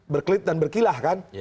berklit dan berkilah kan